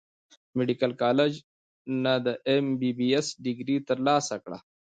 ميديکل کالج نۀ د ايم بي بي ايس ډګري تر لاسه کړه